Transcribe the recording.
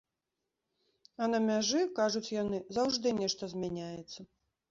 А на мяжы, кажуць яны, заўжды нешта змяняецца.